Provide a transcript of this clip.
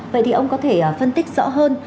vậy thì ông có thể phân tích rõ hơn